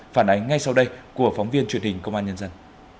phản ánh ngay sau đây của phóng viên truyền hình công an nhân dân